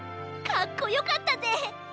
かっこよかったぜ。